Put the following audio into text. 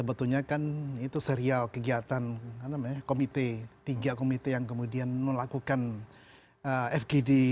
karena kan itu serial kegiatan komite tiga komite yang kemudian melakukan fgd